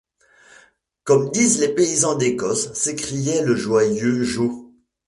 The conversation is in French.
comme disent les paysans d’Écosse, s’écriait le joyeux Joe.